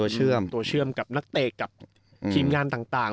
เชื่อมตัวเชื่อมกับนักเตะกับทีมงานต่าง